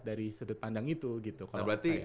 dari sudut pandang itu gitu nah berarti